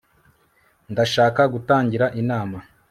ndashaka gutangira inama